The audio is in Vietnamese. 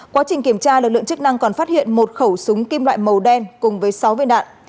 quá trình kiểm tra lực lượng chức năng còn phát hiện một khẩu súng kim loại màu đen cùng với sáu viên đạn